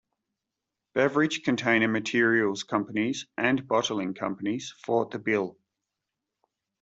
Beverage container materials companies and bottling companies fought the bill.